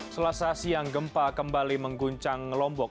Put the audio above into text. selasa siang gempa kembali mengguncang lombok